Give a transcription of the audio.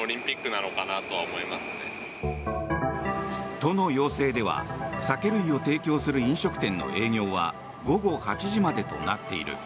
都の要請では酒類を提供する飲食店の営業は午後８時までとなっている。